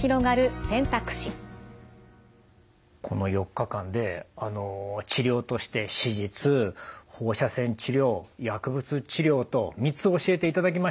この４日間で治療として手術放射線治療薬物治療と３つ教えていただきました。